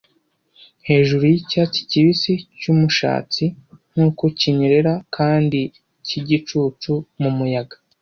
Hejuru yicyatsi kibisi cyumushatsi nkuko kinyerera kandi kigicucu mumuyaga;